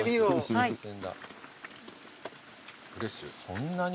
そんなに？